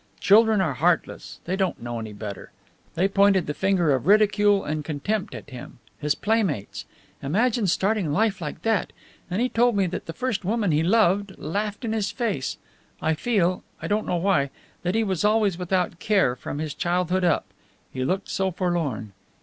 Children are heartless; they don't know any better. They pointed the finger of ridicule and contempt at him his playmates. Imagine starting life like that! And he told me that the first woman he loved laughed in his face! I feel I don't know why that he was always without care, from his childhood up. He looked so forlorn!